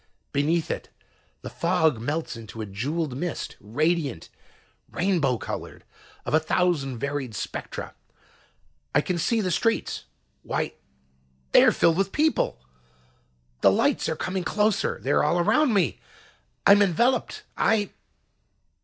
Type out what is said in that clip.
Beneath it the fog melts into a jeweled mist radiant, rainbow colored of a thousand varied spectra. "I can see the streets. Why, they are filled with people! The lights are coming closer. They are all around me. I am enveloped. I..."